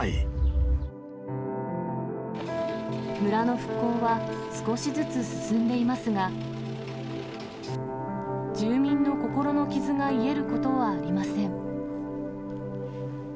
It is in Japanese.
村の復興は、少しずつ進んでいますが、住民の心の傷が癒えることはありません。